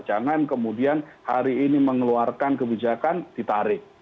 jangan kemudian hari ini mengeluarkan kebijakan ditarik